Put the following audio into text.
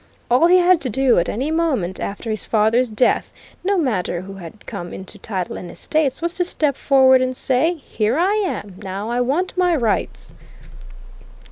All he had to do, at any moment, after his father's death, no matter who had come into title and estates, was to step forward and say: 'Here I am! now I want my rights!'"